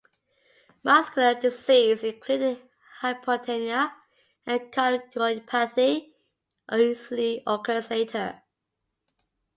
Muscular disease, including hypotonia and cardiomyopathy, usually occurs later.